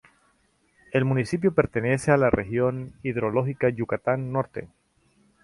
El municipio pertenece a la región hidrológica Yucatán Norte.